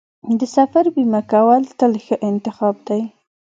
د سفر بیمه کول تل ښه انتخاب دی.